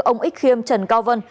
ông ích khiêm trần cao vân